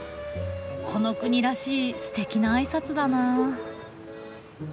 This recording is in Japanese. この国らしいすてきな挨拶だなあ。